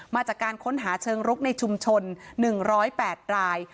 จากการค้นหาเชิงรุกในชุมชน๑๐๘ราย